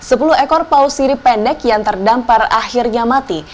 sepuluh ekor paus sirip pendek yang terdampar akhirnya mati